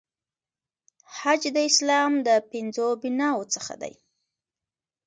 حج د اسلام د پنځو بناوو څخه دی.